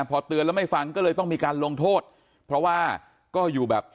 พอเตือนแล้วไม่ฟังก็เลยต้องมีการลงโทษเพราะว่าก็อยู่แบบ